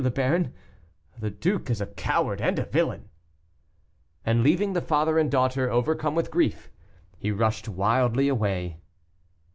le Baron, the duke is a coward and a villain." And leaving the father and daughter overcome with grief, he rushed wildly away.